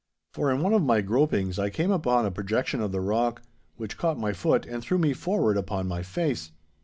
For in one of my gropings I came upon a projection of the rock, which caught my foot and threw me forward upon my face.